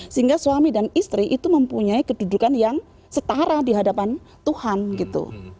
sehingga suami dan istri itu mempunyai kedudukan yang setara di hadapan tuhan gitu